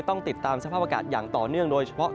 ต้องติดตามสภาพอากาศอย่างต่อเนื่องโดยเฉพาะ